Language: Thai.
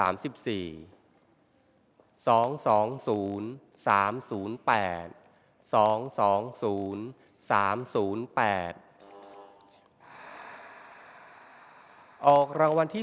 อกวที่๖ครั้งที่๓๔